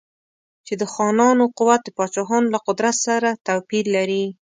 چې د خانانو قوت د پاچاهانو له قدرت سره توپیر لري.